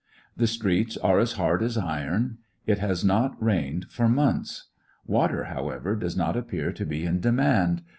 The streets are as hard as iron j it has not rained for months. Water, how ever, does not appear to be in demand.